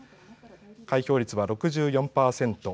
開票率は６４％。